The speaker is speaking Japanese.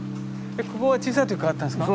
ここは小さい時からあったんですか？